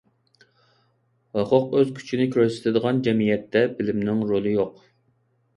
ھوقۇق ئۆز كۈچىنى كۆرسىتىدىغان جەمئىيەتتە بىلىمنىڭ رولى يوق.